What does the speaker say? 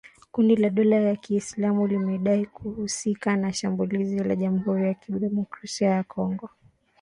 Kundi la dola ya Kiislamu limedai kuhusika na shambulizi la Jamhuri ya kidemokrasia ya Kongo lililouwa watu kumi na watano.